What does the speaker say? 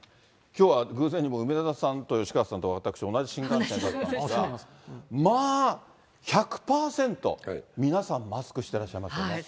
きょうは偶然にも梅沢さんと吉川さんと私、同じ新幹線だったんですが、まあ、１００％、皆さん、マスクしてらっしゃいますよね。